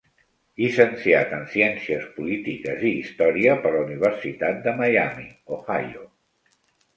Llicenciat en Ciències Polítiques i història per la Universitat de Miami (Ohio).